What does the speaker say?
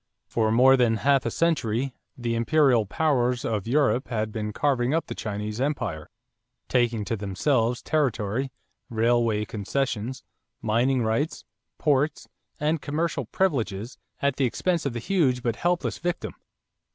For more than half a century, the imperial powers of Europe had been carving up the Chinese empire, taking to themselves territory, railway concessions, mining rights, ports, and commercial privileges at the expense of the huge but helpless victim.